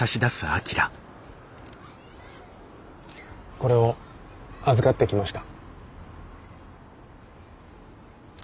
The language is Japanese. これを預かってきました。